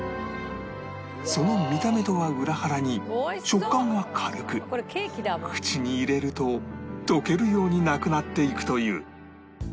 その見た目とは裏腹に食感は軽く口に入れると溶けるようになくなっていくという